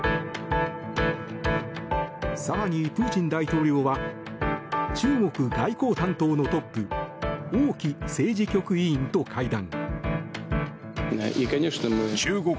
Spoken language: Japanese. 更にプーチン大統領は中国外交担当のトップ王毅政治局委員と会談。